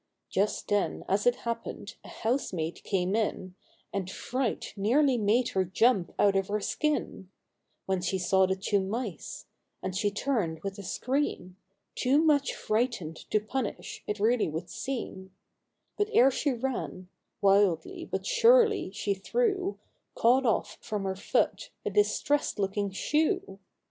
Just then, as it happened, a house maid came in, And fright nearly made her jump out of her skin, When she saw the two mice ; and she turned, with a scream, Too much frightened to punish, it really would seem ; But ere she ran— wildly, but surely, she threw, Caught off from her foot, a distressed looking shoe.